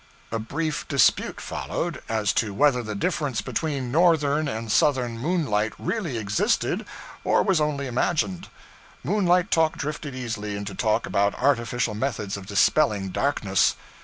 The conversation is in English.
A brief dispute followed, as to whether the difference between Northern and Southern moonlight really existed or was only imagined. Moonlight talk drifted easily into talk about artificial methods of dispelling darkness.